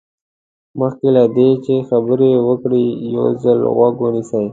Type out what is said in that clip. مخکې له دې چې خبرې وکړئ یو ځل غوږ ونیسئ.